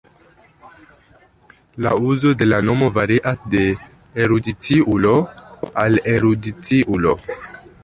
La uzo de la nomo varias de erudiciulo al erudiciulo.